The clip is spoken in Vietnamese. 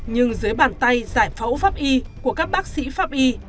nhưng dưới bàn tay giải phẫu pháp y của các bác sĩ pháp y